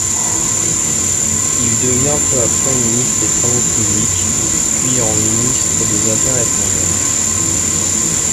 Il devient peu après ministre des Travaux publics, puis en ministre des Affaires étrangères.